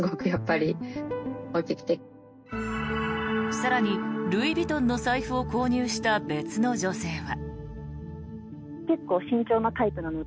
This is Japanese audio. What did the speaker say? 更に、ルイ・ヴィトンの財布を購入した別の女性は。